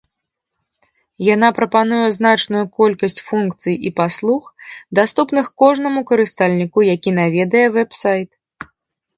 Яна прапануе значную колькасць функцый і паслуг, даступных кожнаму карыстальніку, які наведвае вэб-сайт.